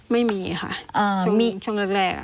ไม่มีค่ะช่วงนั้นแรก